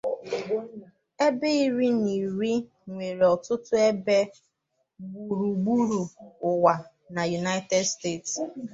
Ebe iri nri nwere ọtụtụ ebe gburugburu ụwa na United States.